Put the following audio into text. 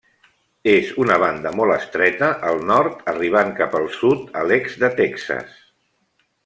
És una banda molt estreta al nord arribant cap al sud a l'est de Texas.